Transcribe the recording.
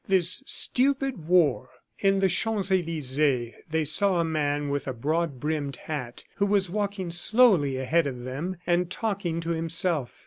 This stupid war! In the Champs Elysees, they saw a man with a broad brimmed hat who was walking slowly ahead of them and talking to himself.